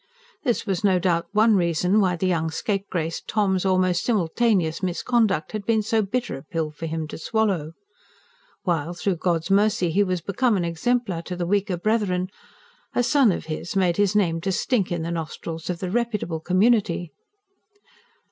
This was no doubt one reason why the young scapegrace Tom's almost simultaneous misconduct had been so bitter a pill for him to swallow: while, through God's mercy, he was become an exemplar to the weaker brethren, a son of his made his name to stink in the nostrils of the reputable community.